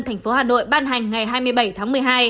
tp hà nội ban hành ngày hai mươi bảy tháng một mươi hai